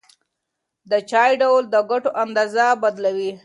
د چای ډول د ګټو اندازه بدلوي.